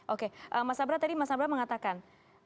oke mas sabra tadi mengatakan